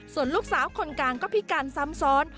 ส่วนลูกสาวคนกลางก็พิการซ้ำซ้อน